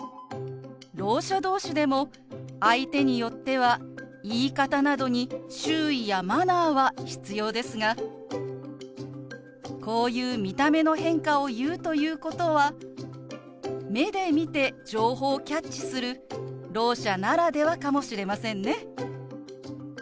ろう者同士でも相手によっては言い方などに注意やマナーは必要ですがこういう見た目の変化を言うということは目で見て情報をキャッチするろう者ならではかもしれませんね。